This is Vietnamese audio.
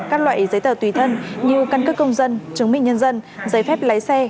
các loại giấy tờ tùy thân như căn cước công dân chứng minh nhân dân giấy phép lái xe